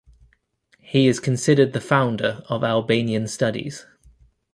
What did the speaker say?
He is considered the founder of Albanian studies.